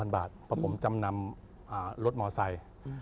๒๐๐๐บาทผมจำนำรถมอสไซด์